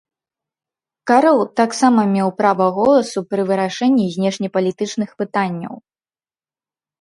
Карл таксама меў права голасу пры вырашэнні знешнепалітычных пытанняў.